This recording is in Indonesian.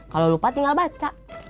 kalau lupa tinggal baca